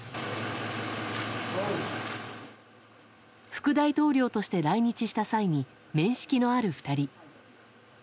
副大統領として来日した際に面識のある２人。